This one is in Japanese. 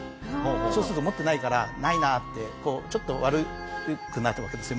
そうすると持ってないから「ないなあ」ってこうちょっと悪くなってるわけですよ